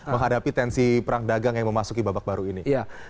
menghadapi tensi perang dagang yang memasuki babak baru ini